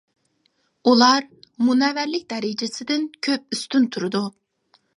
ئۇلار «مۇنەۋۋەرلىك» دەرىجىسىدىن كۆپ ئۈستۈن تۇرىدۇ.